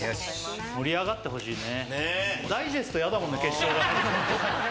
盛り上がってほしいね。